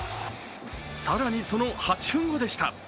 更にその８分後でした。